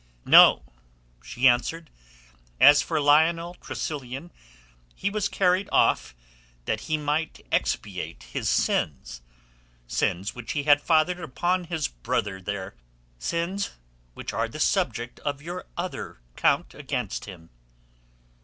"No," she answered. "As for Lionel Tressilian he was carried off that he might expiate his sins—sins which he had fathered upon his brother there, sins which are the subject of your other count against him."